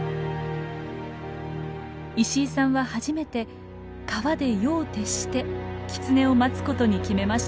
石井さんは初めて川で夜を徹してキツネを待つことに決めました。